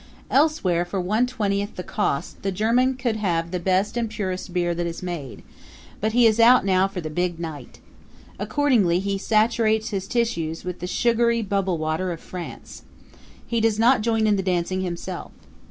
Elsewhere, for one twentieth the cost, the German could have the best and purest beer that is made; but he is out now for the big night. Accordingly he saturates his tissues with the sugary bubble water of France. He does not join in the dancing himself.